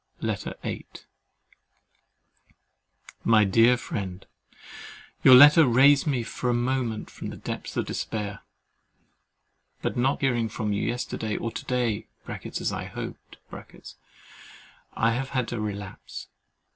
LETTER VIII My dear Friend, Your letter raised me for a moment from the depths of despair; but not hearing from you yesterday or to day (as I hoped) I have had a relapse.